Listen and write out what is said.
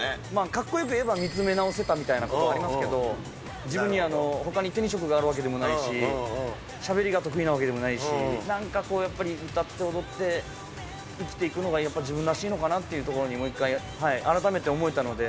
かっこよく言えば、見つめ直せたみたいなことありますけど、自分に、ほかに手に職があるわけではないし、しゃべりが得意なわけでもないし、なんかこう、やっぱり、歌って踊って生きていくのがやっぱり自分らしいのかなっていうところに、もう一回、改めて思えたので。